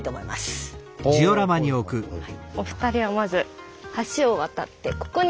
お二人はまず橋を渡ってここに。